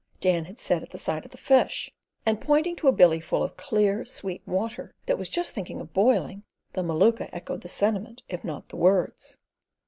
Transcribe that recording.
Dan had said at the sight of the fish, and pointing to a billy full of clear, sweet water that was just thinking of boiling, the Maluka echoed the sentiment if not the words.